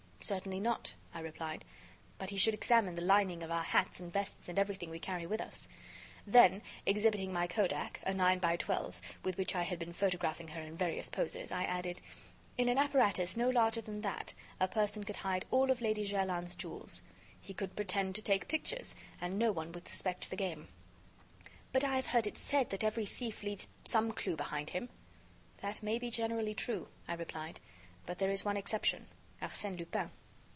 "Certainly not," I replied, "but he should examine the lining of our hats and vests and everything we carry with us." Then, exhibiting my Kodak, a 9x12 with which I had been photographing her in various poses, I added: "In an apparatus no larger than that, a person could hide all of Lady Jerland's jewels. He could pretend to take pictures and no one would suspect the game." "But I have heard it said that every thief leaves some clue behind him." "That may be generally true," I replied, "but there is one exception: Arsène Lupin."